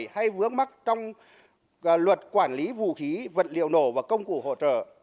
hay vướng mắc trong luật quản lý vũ khí vật liệu nổ và công cụ hỗ trợ